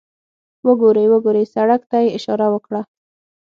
وګورئ، وګورئ، سړک ته یې اشاره وکړه.